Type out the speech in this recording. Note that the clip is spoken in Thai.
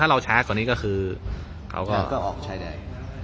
ถ้าเราช้ากว่านี้ก็คือเขาก็ออกชายแดน